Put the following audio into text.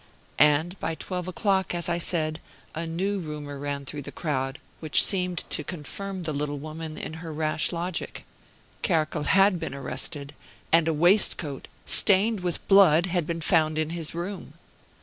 And by twelve o'clock, as I said, a new rumor ran through the crowd, which seemed to confirm the little woman in her rash logic. Kerkel had been arrested, and a waistcoat stained with blood had been found in his room!